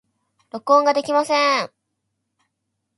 録音ができません。